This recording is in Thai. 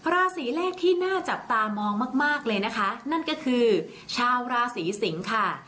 ราศีแรกที่น่าจับตามองมากเลยนะคะนั่นก็คือชาวราศีสิงค่ะ